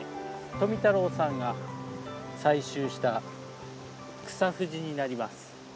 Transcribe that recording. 富太郎さんが採集したクサフジになります。